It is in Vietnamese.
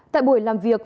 tại buổi làm việc